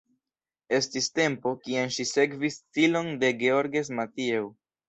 Estis tempo, kiam ŝi sekvis stilon de Georges Mathieu.